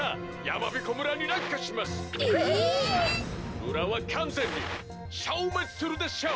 「むらはかんぜんにしょうめつするでしょう」。